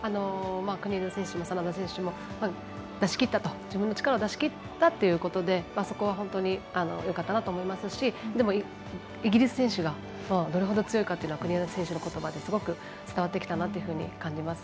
国枝選手も眞田選手も自分の力を出しきったっていうことでそこは本当によかったなと思いますしでも、イギリス選手がどれほど強いかっていうのは国枝選手のことばですごく伝わってきたなと思います。